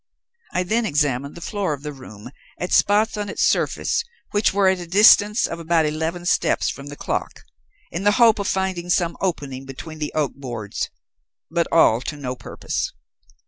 "I then examined the floor of the room at spots on its surface which were at a distance of about eleven steps from the clock, in the hope of finding some opening between the oak boards; but all to no purpose.